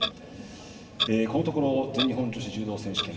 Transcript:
このところ全日本女子柔道選手権。